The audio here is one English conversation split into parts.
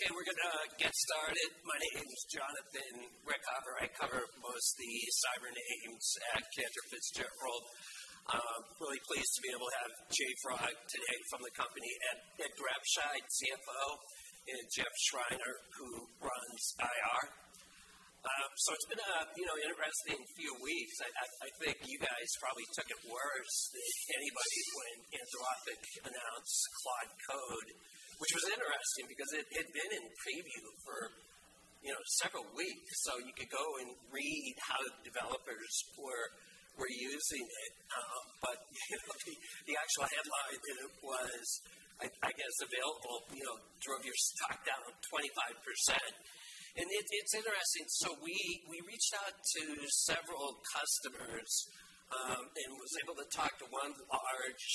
Okay, we're gonna get started. My name is Jonathan Ruykhaver. I cover most of the cyber names at Cantor Fitzgerald. Really pleased to be able to have JFrog today from the company and Ed Grabscheid, CFO, and Jeff Schreiner, who runs IR. So it's been a you know, interesting few weeks. I think you guys probably took it worse than anybody when Anthropic announced Claude Code, which was interesting because it had been in preview for you know, several weeks, so you could go and read how the developers were using it. But you know, the actual headline you know, was I guess available you know, drove your stock down 25%. It it's interesting. We reached out to several customers and was able to talk to one large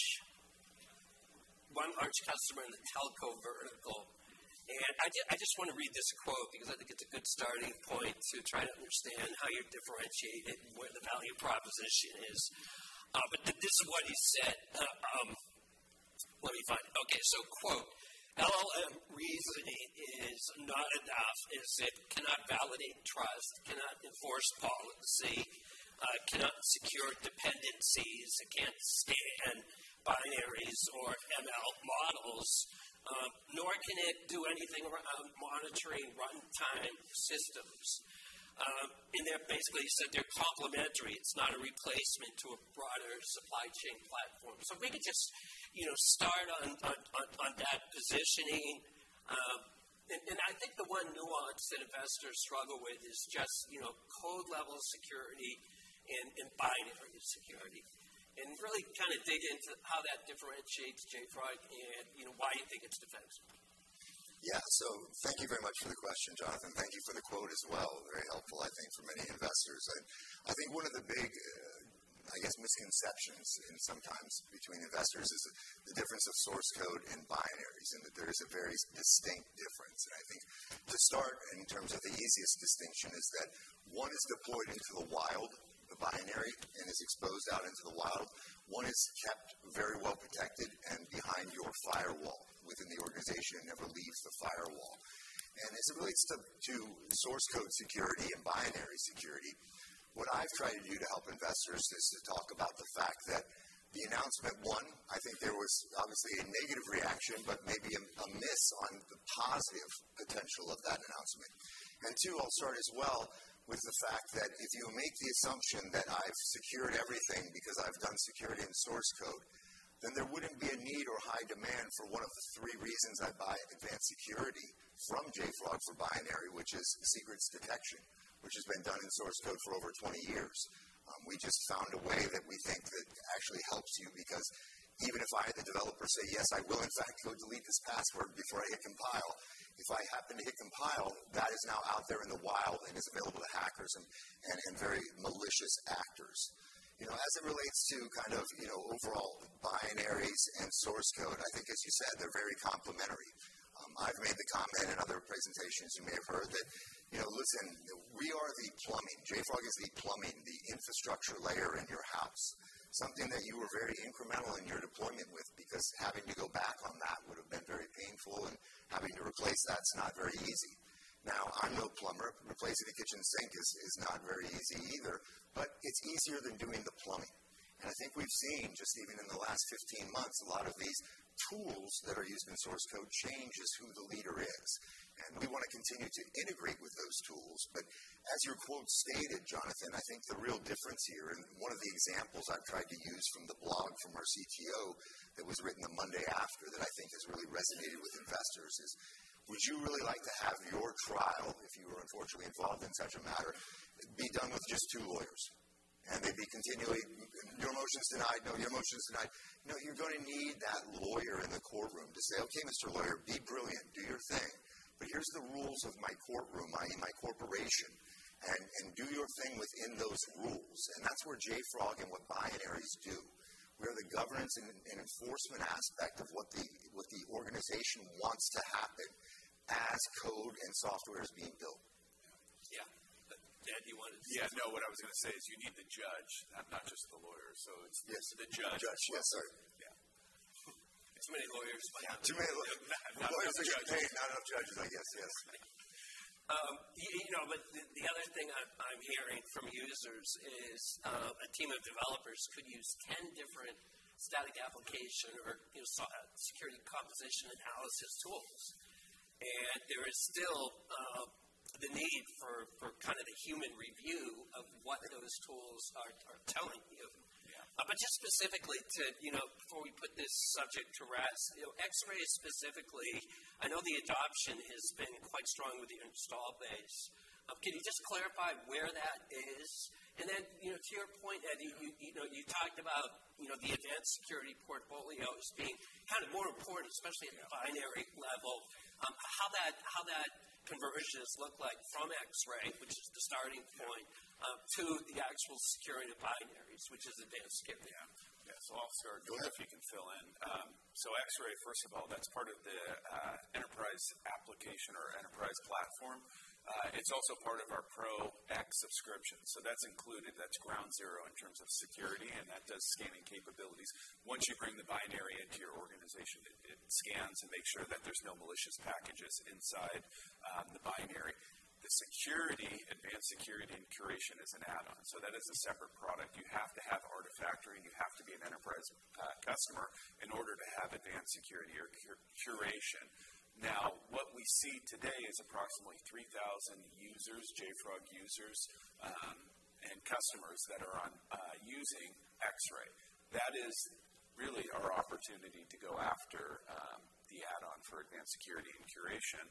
customer in the telco vertical. I just wanna read this quote because I think it's a good starting point to try to understand how you've differentiated what the value proposition is. But this is what he said. Let me find. Okay, so quote, "LLM reasoning is not enough as it cannot validate trust, it cannot enforce policy, it cannot secure dependencies against scanned binaries or ML models, nor can it do anything around monitoring runtime systems." They basically said they're complementary. It's not a replacement to a broader supply chain platform. Maybe just, you know, start on that positioning. I think the one nuance that investors struggle with is just, you know, code-level security and binary security, and really kinda dig into how that differentiates JFrog and, you know, why you think it's defensible. Yeah. Thank you very much for the question, Jonathan. Thank you for the quote as well. Very helpful, I think, for many investors. I think one of the big, I guess, misconceptions and sometimes between investors is the difference of source code and binaries, and that there is a very distinct difference. I think to start in terms of the easiest distinction is that one is deployed into the wild, the binary, and is exposed out into the wild. One is kept very well protected and behind your firewall within the organization and never leaves the firewall. As it relates to source code security and binary security, what I've tried to do to help investors is to talk about the fact that the announcement, one, I think there was obviously a negative reaction, but maybe a miss on the positive potential of that announcement. Two, I'll start as well with the fact that if you make the assumption that I've secured everything because I've done security in source code, then there wouldn't be a need or high demand for one of the three reasons I buy Advanced Security from JFrog for binary, which is secrets detection, which has been done in source code for over 20 years. We just found a way that we think that actually helps you because even if I, the developer, say, "Yes, I will in fact go delete this password before I hit compile," if I happen to hit compile, that is now out there in the wild and is available to hackers and very malicious actors. You know, as it relates to kind of, you know, overall binaries and source code, I think as you said, they're very complementary. I've made the comment in other presentations, you may have heard that, you know, listen, we are the plumbing. JFrog is the plumbing, the infrastructure layer in your house, something that you were very incremental in your deployment with because having to go back on that would have been very painful and having to replace that's not very easy. Now, I'm no plumber. Replacing a kitchen sink is not very easy either, but it's easier than doing the plumbing. I think we've seen just even in the last 15 months, a lot of these tools that are used in source code changes who the leader is, and we wanna continue to integrate with those tools. As your quote stated, Jonathan, I think the real difference here, and one of the examples I've tried to use from the blog from our CTO that was written the Monday after that I think has really resonated with investors is, would you really like to have your trial if you were unfortunately involved in such a matter, be done with just two lawyers? They'd be continually, "Your motion's denied. No, your motion's denied." No, you're gonna need that lawyer in the courtroom to say, "Okay, Mr. Lawyer, be brilliant, do your thing, but here's the rules of my courtroom, my corporation, and do your thing within those rules." That's where JFrog and what binaries do. We're the governance and enforcement aspect of what the organization wants to happen as code and software is being built. Yeah. Ed, you wanted to? Yeah. No, what I was gonna say is you need the judge, not just the lawyer. It's Yes. The judge. Judge. Yeah, sorry. Yeah. Too many lawyers. Too many lawyers. Not enough judges. Not enough judges. Yes, yes. You know, the other thing I'm hearing from users is a team of developers could use 10 different static application or security composition analysis tools. There is still the need for kind of the human review of what those tools are telling you. Yeah. Just specifically to, you know, before we put this subject to rest, you know, Xray specifically, I know the adoption has been quite strong with the install base. Can you just clarify where that is? Then, you know, to your point, Ed, you know, you talked about, you know, the Advanced Security portfolio as being kind of more important, especially at the binary level. How that conversion has looked like from Xray, which is the starting point, to the actual security binaries, which is Advanced Security. Yeah. I'll start, Jeff, if you can fill in. Xray, first of all, that's part of the enterprise application or enterprise platform. It's also part of our Pro X subscription. That's included, that's ground zero in terms of security, and that does scanning capabilities. Once you bring the binary in. Organization that it scans and make sure that there's no malicious packages inside, the binary. The security, Advanced Security and Curation is an add-on, so that is a separate product. You have to have Artifactory and you have to be an enterprise customer in order to have Advanced Security or Curation. Now, what we see today is approximately 3,000 users, JFrog users, and customers that are on, using Xray. That is really our opportunity to go after, the add-on for Advanced Security and Curation.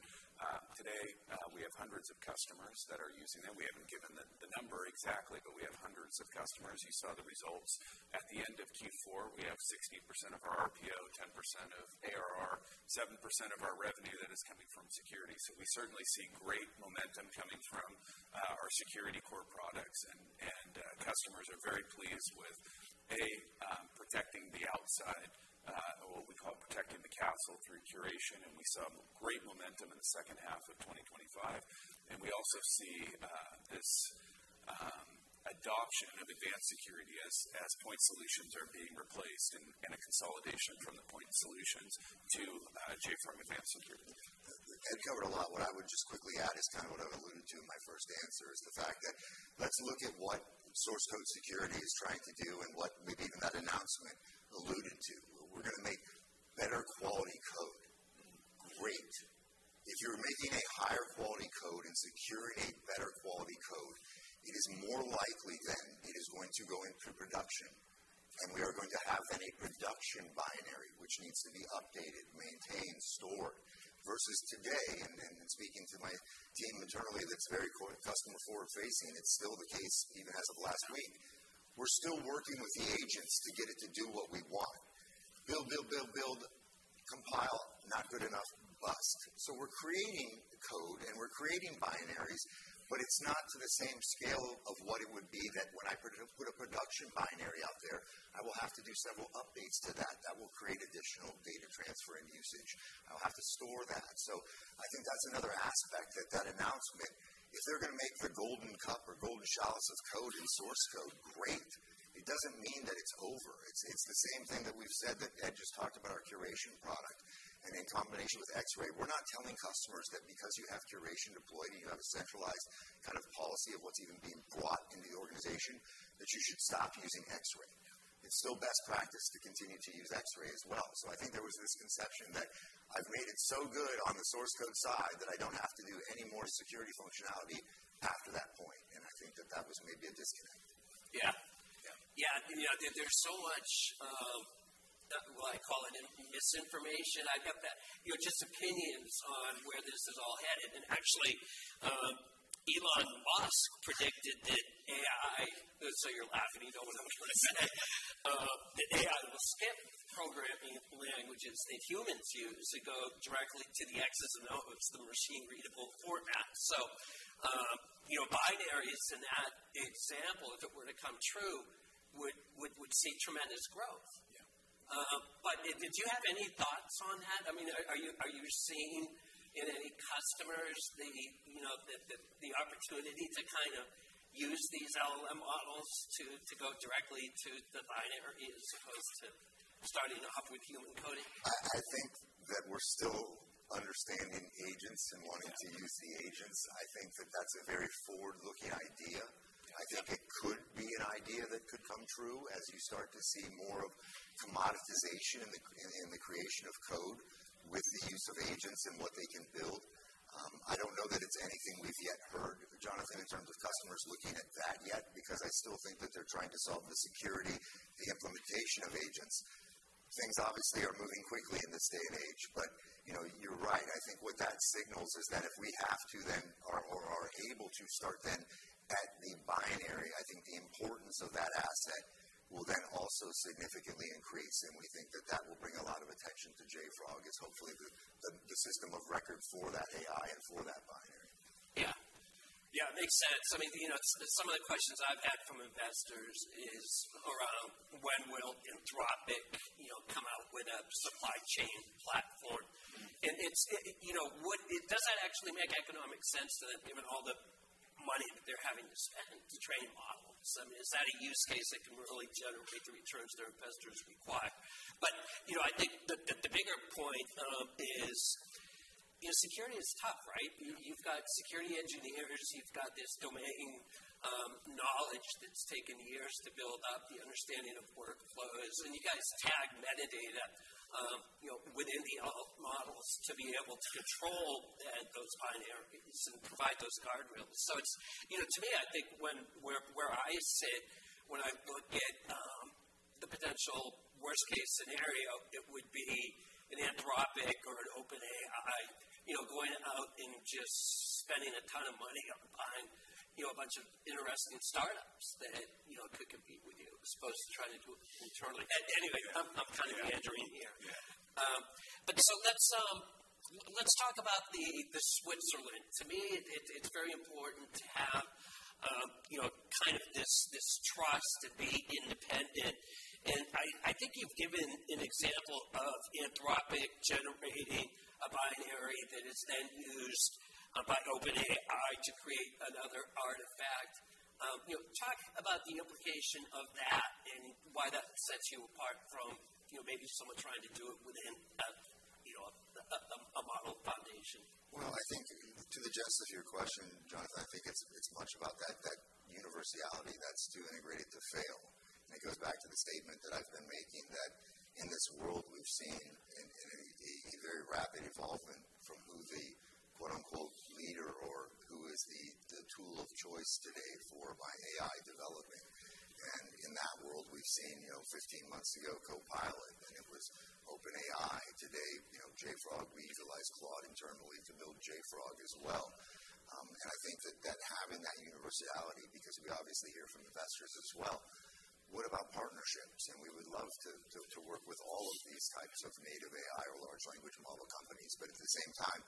Today, we have hundreds of customers that are using it. We haven't given the number exactly, but we have hundreds of customers. You saw the results at the end of Q4. We have 16% of our RPO, 10% of ARR, 7% of our revenue that is coming from security. We certainly see great momentum coming from our security core products and customers are very pleased with protecting the outside or what we call protecting the castle through Curation, and we saw great momentum in the second half of 2025. We also see this adoption of Advanced Security as point solutions are being replaced and a consolidation from the point solutions to JFrog Advanced Security. Ed covered a lot. What I would just quickly add is kind of what I've alluded to in my first answer is the fact that let's look at what source code security is trying to do and what maybe even that announcement alluded to. We're gonna make better quality code. Great. If you're making a higher quality code and securing a better quality code, it is more likely than it is going to go into production, and we are going to have then a production binary which needs to be updated, maintained, stored. Versus today, speaking to my team internally that's very quote, "customer forward-facing," it's still the case even as of last week. We're still working with the agents to get it to do what we want. Build, compile, not good enough, bust. We're creating code and we're creating binaries, but it's not to the same scale of what it would be that when I put a production binary out there, I will have to do several updates to that. That will create additional data transfer and usage. I'll have to store that. I think that's another aspect that announcement, if they're gonna make the golden cup or golden chalice of code and source code great, it doesn't mean that it's over. It's the same thing that we've said that Ed just talked about our Curation product. In combination with Xray, we're not telling customers that because you have Curation deployed and you have a centralized kind of policy of what's even being brought into the organization, that you should stop using Xray. It's still best practice to continue to use Xray as well. I think there was this conception that I've made it so good on the source code side that I don't have to do any more security functionality after that point, and I think that was maybe a disconnect. Yeah. Yeah. Yeah. You know, there's so much, well I call it misinformation. I've got that, you know, just opinions on where this is all headed. Actually, Elon Musk predicted that AI. You're laughing, you know what I'm going to say. That AI will skip programming languages that humans use to go directly to the X's and O's, the machine readable format. You know, binaries in that example, if it were to come true, would see tremendous growth. Yeah. Did you have any thoughts on that? I mean, are you seeing in any customers the opportunity to kind of use these LLM models to go directly to the binary as opposed to starting off with human coding? I think that we're still understanding agents and wanting to use the agents. I think that that's a very forward-looking idea. I think it could be an idea that could come true as you start to see more of commoditization in the creation of code with the use of agents and what they can build. I don't know that it's anything we've yet heard, Jonathan, in terms of customers looking at that yet, because I still think that they're trying to solve the security, the implementation of agents. Things obviously are moving quickly in this day and age, but, you know, you're right. I think what that signals is that if we have to then or are able to start then at the binary. I think the importance of that asset will then also significantly increase, and we think that that will bring a lot of attention to JFrog as hopefully the system of record for that AI and for that binary. Yeah. Yeah, makes sense. I mean, you know, some of the questions I've had from investors is around when will Anthropic, you know, come out with a supply chain platform? Does that actually make economic sense then given all the money that they're having to spend to train models? I mean, is that a use case that can really generate the returns their investors require? You know, I think the bigger point is, you know, security is tough, right? You've got security engineers, you've got this domain knowledge that's taken years to build up the understanding of workflows, and you gotta tag metadata, you know, within the LLM models to be able to control those binaries and provide those guardrails. It's, you know, to me, I think when, where I sit, when I look at the potential worst case scenario, it would be an Anthropic or an OpenAI, you know, going out and just spending a ton of money upon, you know, a bunch of interesting startups that, you know, could compete with you as opposed to trying to do it internally. Anyway, I'm kind of meandering here. Yeah. Let's talk about the Switzerland. To me, it's very important to have, you know, kind of this trust to be independent. I think you've given an example of Anthropic generating a binary that is then used by OpenAI to create another artifact. You know, talk about the implication of that and why that sets you apart from, you know, maybe someone trying to do it within a model foundation. Well, I think to the gist of your question, Jonathan, I think it's much about that universality that's too integrated to fail. It goes back to the statement that I've been making that in this world, we've seen a very rapid evolution from who the quote-unquote leader or who is the tool of choice today for my AI developing. In that world, we've seen, you know, 15 months ago, Copilot, it was OpenAI. Today, you know, JFrog, we utilize Claude internally to build JFrog as well. I think that having that universality, because we obviously hear from investors as well. What about partnerships? We would love to work with all of these types of native AI or large language model companies. At the same time,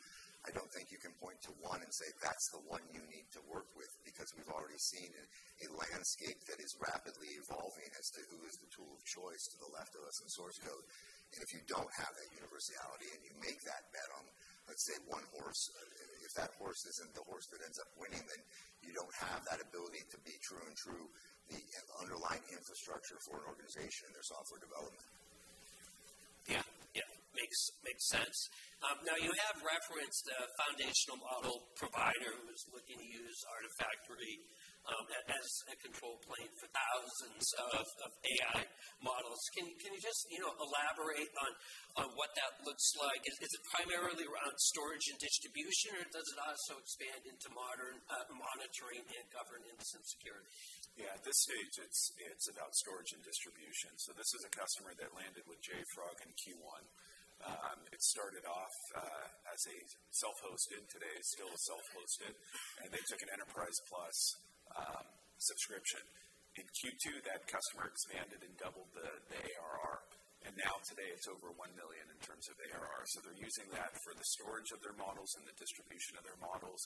I don't think you can point to one and say, "That's the one you need to work with," because we've already seen a landscape that is rapidly evolving as to who is the tool of choice for shift left in source code. And if you don't have that universality and you make that bet on, let's say, one horse, if that horse isn't the horse that ends up winning, then you don't have that ability to be true to the underlying infrastructure for an organization or software development. Yeah. Makes sense. Now you have referenced a foundational model provider who's looking to use Artifactory as a control plane for thousands of AI models. Can you just, you know, elaborate on what that looks like? Is it primarily around storage and distribution, or does it also expand into modern monitoring and governance and security? Yeah. At this stage, it's about storage and distribution. This is a customer that landed with JFrog in Q1. It started off as a self-hosted. Today, it's still a self-hosted, and they took an Enterprise Plus subscription. In Q2, that customer expanded and doubled the ARR, and now today it's over $1 million in terms of ARR. They're using that for the storage of their models and the distribution of their models.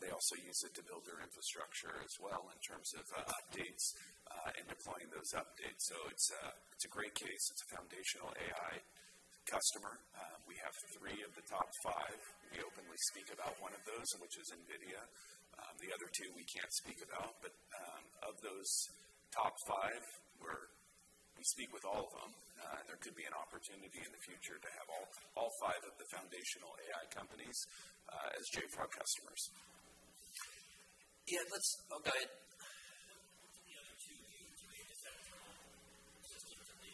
They also use it to build their infrastructure as well in terms of updates and deploying those updates. It's a great case. It's a foundational AI customer. We have three of the top five. We openly speak about one of those, which is NVIDIA. The other two we can't speak about. Of those top five, we speak with all of them. There could be an opportunity in the future to have all five of the foundational AI companies as JFrog customers. Yeah. Oh, go ahead. The other two you made, is that from systems or the?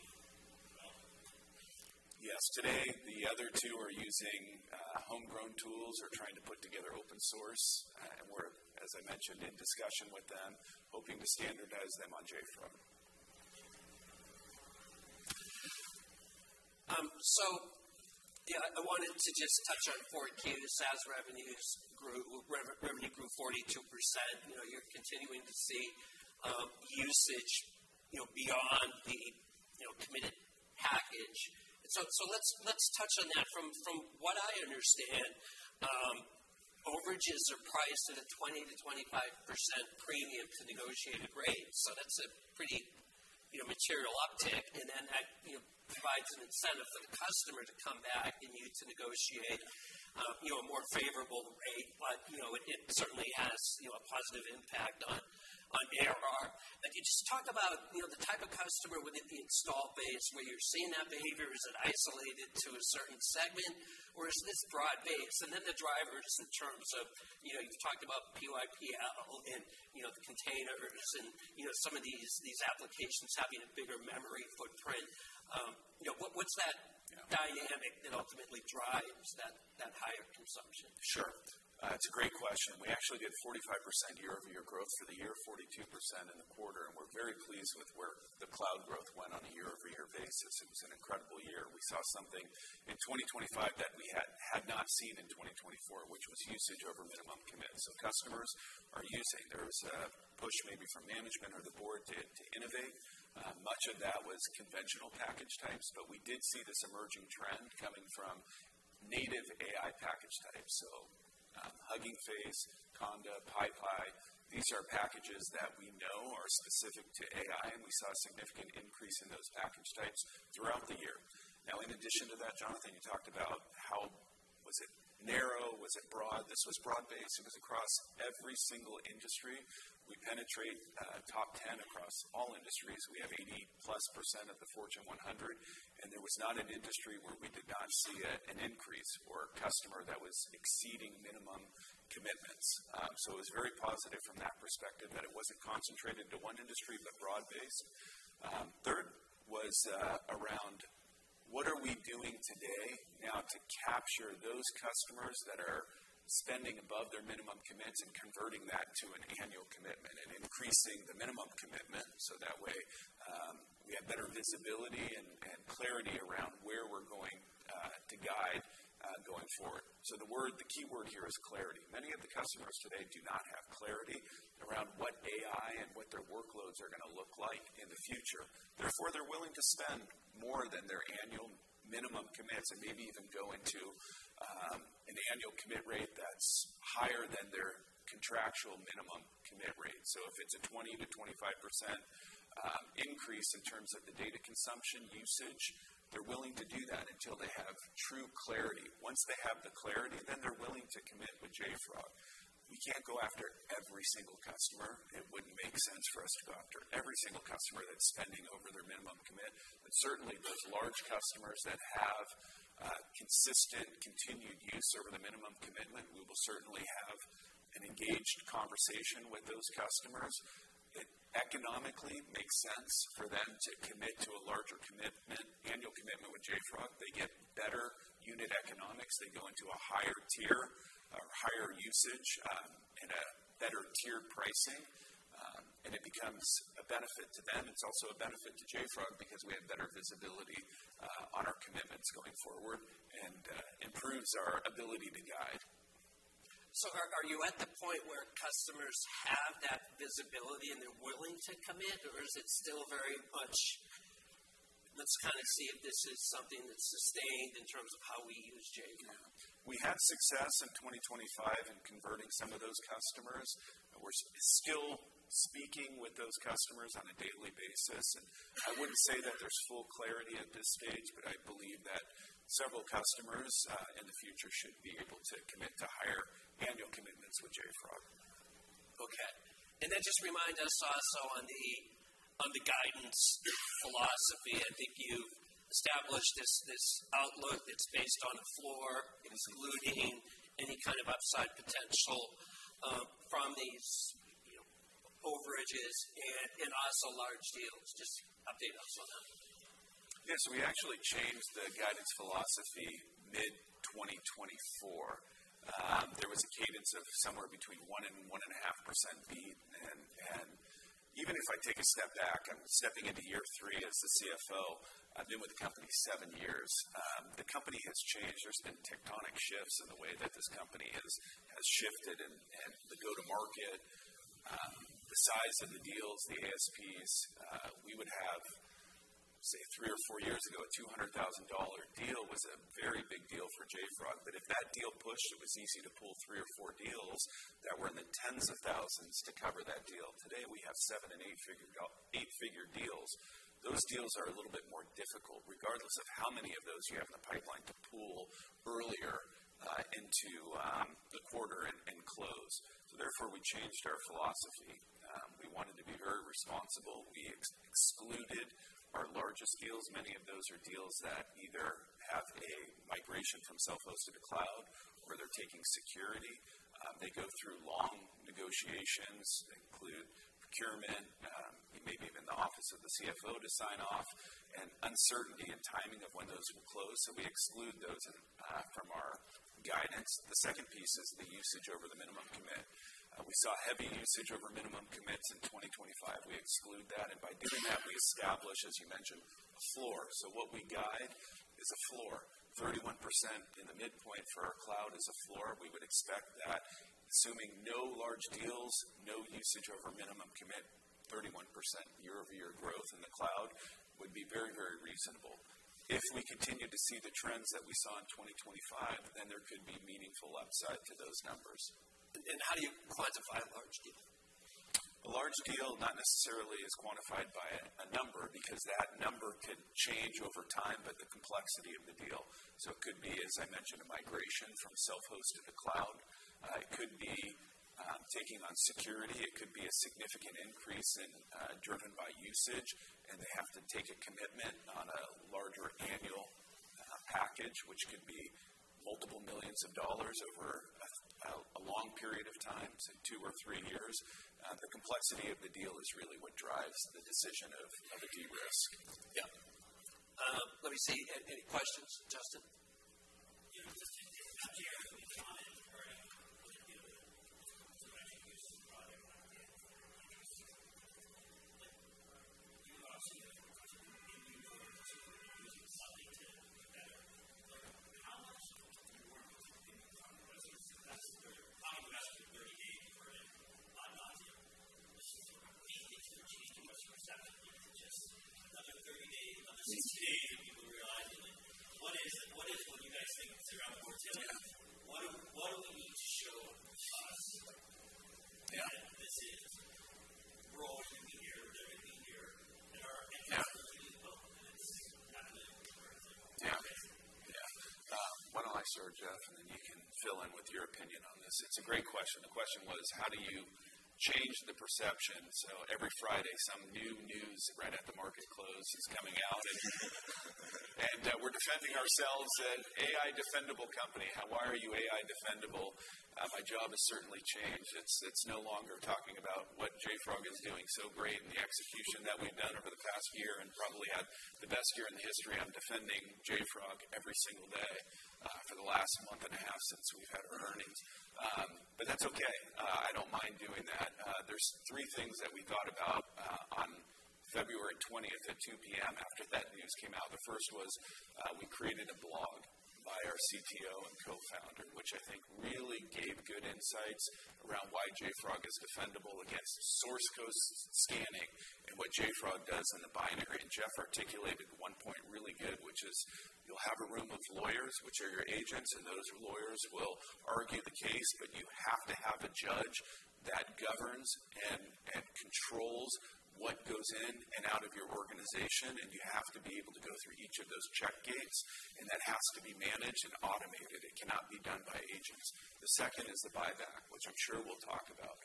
Yes. Today, the other two are using homegrown tools or trying to put together open source. We're, as I mentioned, in discussion with them, hoping to standardize them on JFrog. I wanted to just touch on Q4. The SaaS revenues grew, revenue grew 42%. You know, you're continuing to see usage, you know, beyond the, you know, committed package. Let's touch on that. From what I understand, overages are priced at a 20%-25% premium to negotiated rates. So that's a pretty, you know, material uptick. Then that, you know, provides an incentive for the customer to come back and you to negotiate, you know, a more favorable rate. But, you know, it certainly has, you know, a positive impact on ARR. If you just talk about, you know, the type of customer within the install base where you're seeing that behavior, is it isolated to a certain segment or is this broad-based? Then the drivers in terms of, you know, you talked about the PyPI and, you know, the containers and, you know, some of these applications having a bigger memory footprint. You know, what's that dynamic that ultimately drives that higher consumption? Sure. It's a great question. We actually did 45% year-over-year growth for the year, 42% in the quarter, and we're very pleased with where the cloud growth went on a year-over-year basis. It was an incredible year. We saw something in 2025 that we had not seen in 2024, which was usage over minimum commit. So customers are using. There was a push maybe from management or the board to innovate. Much of that was conventional package types, but we did see this emerging trend coming from native AI package types. So, Hugging Face, Conda, PyPI, these are packages that we know are specific to AI, and we saw a significant increase in those package types throughout the year. Now, in addition to that, Jonathan, you talked about how. Was it narrow? Was it broad? This was broad-based. It was across every single industry. We penetrate top ten across all industries. We have 80%+ of the Fortune 100, and there was not an industry where we did not see an increase for a customer that was exceeding minimum commitments. It was very positive from that perspective that it wasn't concentrated into one industry, but broad-based. Third was around what we are doing today now to capture those customers that are spending above their minimum commits and converting that to an annual commitment and increasing the minimum commitment, so that way, we have better visibility and clarity around where we're going to guide going forward. The word, the keyword here is clarity. Many of the customers today do not have clarity around what AI and what their workloads are gonna look like in the future. Therefore, they're willing to spend more than their annual minimum commits and maybe even go into an annual commit rate that's higher than their contractual minimum commit rate. If it's a 20%-25% increase in terms of the data consumption usage, they're willing to do that until they have true clarity. Once they have the clarity, then they're willing to commit with JFrog. We can't go after every single customer. It wouldn't make sense for us to go after every single customer that's spending over their minimum commit. Certainly, those large customers that have consistent continued use over the minimum commitment, we will certainly have an engaged conversation with those customers. It economically makes sense for them to commit to a larger commitment, annual commitment with JFrog. They get better unit economics. They go into a higher tier or higher usage, and a better tiered pricing, and it becomes a benefit to them. It's also a benefit to JFrog because we have better visibility on our commitments going forward and improves our ability to guide. Are you at the point where customers have that visibility and they're willing to commit, or is it still very much, "Let's kinda see if this is something that's sustained in terms of how we use JFrog now? We had success in 2025 in converting some of those customers. We're still speaking with those customers on a daily basis, and I wouldn't say that there's full clarity at this stage, but I believe that several customers in the future should be able to commit to higher annual commitments with JFrog. Just remind us also on the guidance philosophy. I think you established this outlook that's based on a floor including any kind of upside potential from these, you know, overages and also large deals. Just update us on that. Yeah. We actually changed the guidance philosophy mid-2024. There was a cadence of somewhere between 1% and 1.5% beat. Even if I take a step back, I'm stepping into year three as the CFO. I've been with the company seven years. The company has changed. There's been tectonic shifts in the way that this company has shifted and the go-to-market, the size of the deals, the ASPs. We would have, say, three or four years ago, a $200,000 deal was a very big deal for JFrog. But if that deal pushed, it was easy to pull three or four deals that were in the tens of thousands to cover that deal. Today, we have seven and eight-figure deals. Those deals are a little bit more difficult regardless of how many of those you have in the pipeline to pull earlier into the quarter and close. Therefore, we changed our philosophy. We wanted to be very responsible. We excluded our largest deals. Many of those are deals that either have a migration from self-hosted to cloud or they're taking security. They go through long negotiations that include procurement, maybe even the office of the CFO to sign off, and uncertainty in timing of when those will close, so we exclude those from our guidance. The second piece is the usage over the minimum commit. We saw heavy usage over minimum commits in 2025. We exclude that, and by doing that, we establish, as you mentioned, a floor. What we guide is a floor. 31% in the midpoint for our cloud is a floor. We would expect that assuming no large deals, no usage over minimum commit, 31% year-over-year growth in the cloud would be very, very reasonable. If we continue to see the trends that we saw in 2025, then there could be meaningful upside to those numbers. How do you quantify a large deal? A large deal not necessarily is quantified by a number because that number could change over time by the complexity of the deal. It could be, as I mentioned, a migration from self-hosted to cloud. It could be taking on security. It could be a significant increase driven by usage, and they have to take a commitment on a larger annual package, which could be multiple millions of dollars over a long period of time, say two or three years. The complexity of the deal is really what drives the decision of a de-risk. Yeah. Let me see. Any questions, Justin? You know, and we're defending ourselves as AI defendable company. Why are you AI defendable? My job has certainly changed. It's no longer talking about what JFrog is doing so great and the execution that we've done over the past year and probably had the best year in the history. I'm defending JFrog every single day for the last month and a half since we've had our earnings. But that's okay. I don't mind doing that. There's three things that we thought about on February 20th at 2 P.M. after that news came out. The first was, we created a blog by our CTO and co-founder, which I think really gave good insights around why JFrog is defendable against source code scanning and what JFrog does in the binary. Jeff articulated one point really good, which is you'll have a room of lawyers which are your agents, and those lawyers will argue the case, but you have to have a judge that governs and controls what goes in and out of your organization. You have to be able to go through each of those check gates, and that has to be managed and automated. It cannot be done by agents. The second is the buyback, which I'm sure we'll talk about.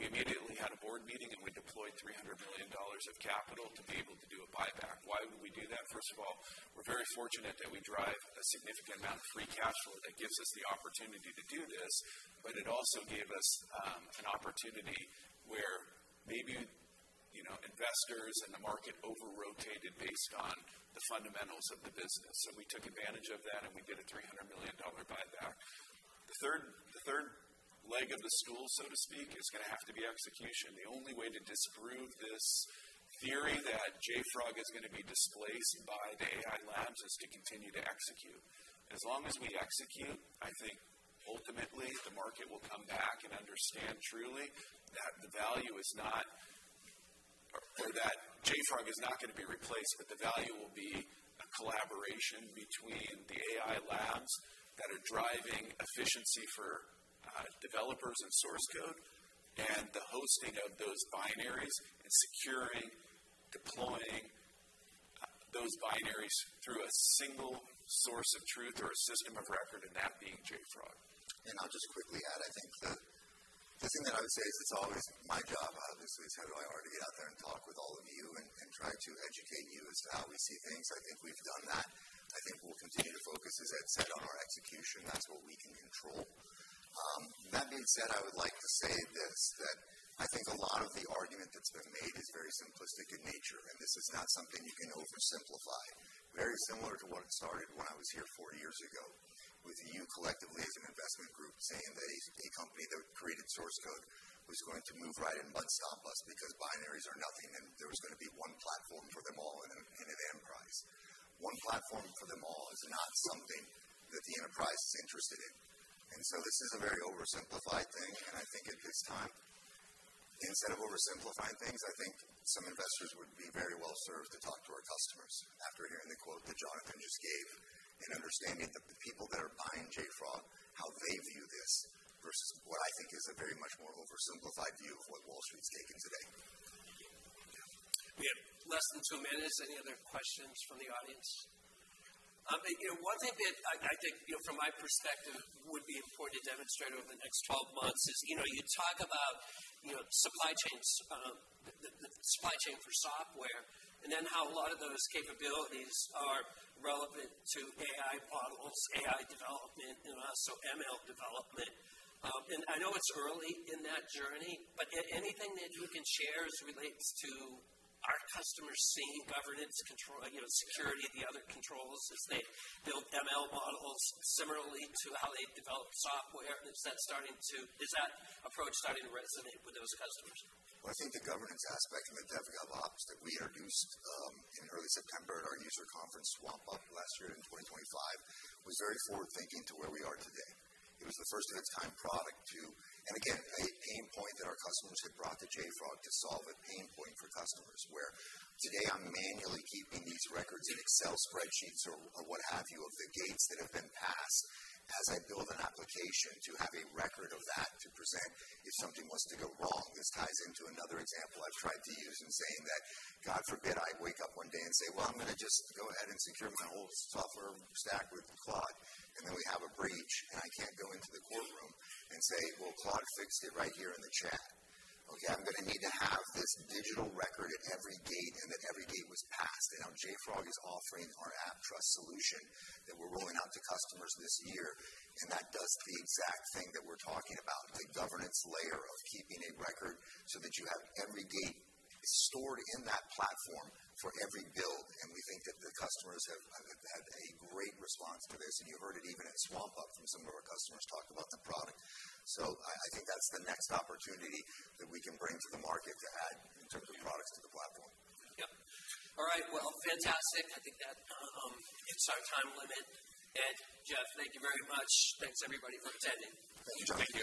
We immediately had a board meeting, and we deployed $300 million of capital to be able to do a buyback. Why would we do that? First of all, we're very fortunate that we drive a significant amount of free cash flow that gives us the opportunity to do this. It also gave us an opportunity where maybe, you know, investors and the market over-rotated based on the fundamentals of the business. We took advantage of that, and we did a $300 million buyback. The third leg of the stool, so to speak, is gonna have to be execution. The only way to disprove this theory that JFrog is gonna be displaced by the AI labs is to continue to execute. As long as we execute, I think ultimately the market will come back and understand truly that the value is not, or that JFrog is not gonna be replaced, but the value will be a collaboration between the AI labs that are driving efficiency for developers and source code, and the hosting of those binaries and securing, deploying those binaries through a single source of truth or a system of record, and that being JFrog. I'll just quickly add, I think the thing that I would say is it's always my job, obviously, as CEO, I already get out there and talk with all of you and try to educate you as to how we see things. I think we've done that. I think we'll continue to focus, as Ed said, on our execution. That's what we can control. That being said, I would like to say this, that I think a lot of the argument that's been made is very simplistic in nature, and this is not something you can oversimplify. Very similar to what started when I was here four years ago with you collectively as an investment group saying that a company that created source code was going to move right and mud stomp us because binaries are nothing, and there was gonna be one platform for them all in an enterprise. One platform for them all is not something that the enterprise is interested in. This is a very oversimplified thing, and I think at this time, instead of oversimplifying things, I think some investors would be very well served to talk to our customers after hearing the quote that Jonathan just gave and understanding that the people that are buying JFrog, how they view this versus what I think is a very much more oversimplified view of what Wall Street's taking today. Yeah. We have less than two minutes. Any other questions from the audience? You know, one thing that I think, you know, from my perspective, would be important to demonstrate over the next 12 months is, you know, you talk about, you know, supply chains, the supply chain for software, and then how a lot of those capabilities are relevant to AI models, AI development, and also ML development. And I know it's early in that journey, but anything that you can share as relates to are customers seeing governance control, you know, security, the other controls as they build ML models similarly to how they've developed software? Is that approach starting to resonate with those customers? Well, I think the governance aspect and the DevOps that we introduced in early September at our user conference swampUP last year in 2025 was very forward-thinking to where we are today. It was the first of its kind product. Again, a pain point that our customers had brought to JFrog to solve a pain point for customers, where today I'm manually keeping these records in Excel spreadsheets or what have you of the gates that have been passed as I build an application to have a record of that to present if something was to go wrong. This ties into another example I've tried to use in saying that, God forbid I wake up one day and say, "Well, I'm gonna just go ahead and secure my whole software stack with Claude," and then we have a breach, and I can't go into the courtroom and say, "Well, Claude fixed it right here in the chat." Okay, I'm gonna need to have this digital record at every gate and that every gate was passed. Now JFrog is offering our AppTrust solution that we're rolling out to customers this year, and that does the exact thing that we're talking about, the governance layer of keeping a record so that you have every gate stored in that platform for every build. We think that the customers have had a great response to this, and you heard it even at swampUP from some of our customers talked about the product. I think that's the next opportunity that we can bring to the market to add in terms of products to the platform. Yep. All right. Well, fantastic. I think that hits our time limit. Ed, Jeff, thank you very much. Thanks everybody for attending. Thank you, Jonathan.